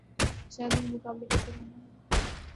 جانتا ہوں مقابلہ کیسے کرنا ہے